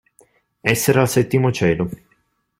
Essere al settimo cielo.